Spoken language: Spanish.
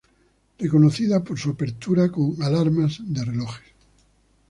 Reconocida por su apertura con alarmas de relojes.